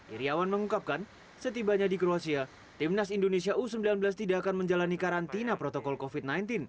iryawan mengungkapkan setibanya di kroasia timnas indonesia u sembilan belas tidak akan menjalani karantina protokol covid sembilan belas